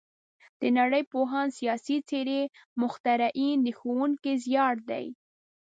د نړۍ پوهان، سیاسي څېرې، مخترعین د ښوونکي زیار دی.